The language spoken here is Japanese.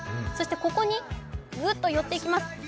そしてここにグッと寄っていきます。